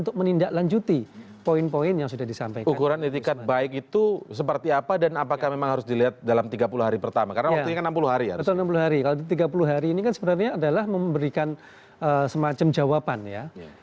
kalau tiga puluh hari ini kan sebenarnya adalah memberikan semacam jawaban ya